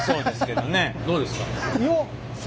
どうですか？